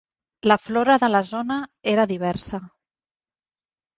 La flora de la zona era diversa.